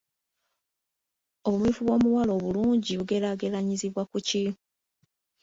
Obumyufu bw’omuwala omulungi bugeraageranyizibwa ku ki ?